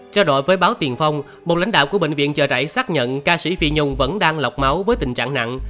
trao đổi với báo tiền phong một lãnh đạo của bệnh viện chợ rẫy xác nhận ca sĩ phi nhung vẫn đang lọc máu với tình trạng nặng